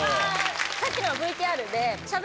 さっきのＶＴＲで。